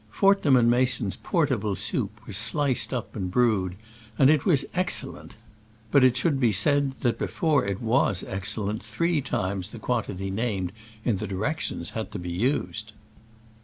Fortnum & Mason's portable soup was sliced up and brewed, and was excellent ; but it should be said that be fore it was excellent three times the quantity named in the directions had to be used.